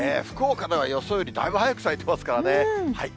福岡では予想よりだいぶ早く咲いてますからね。